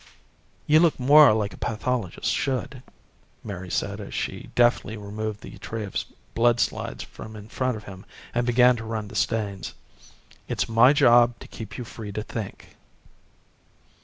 "You look more like a pathologist should," Mary said as she deftly removed the tray of blood slides from in front of him and began to run the stains. "It's my job to keep you free to think."